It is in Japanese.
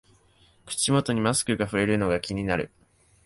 口元にマスクがふれるのが気になる